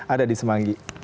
ada di semanggi